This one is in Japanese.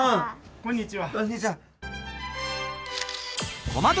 こんにちは。